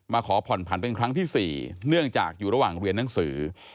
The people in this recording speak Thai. ขอผ่อนผันเป็นครั้งที่๔เนื่องจากอยู่ระหว่างเรียนหนังสือ